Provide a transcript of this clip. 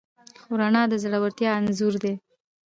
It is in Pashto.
خو رڼا د زړورتیا انځور دی.